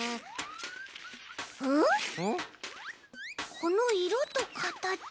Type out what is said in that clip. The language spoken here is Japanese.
このいろとかたち。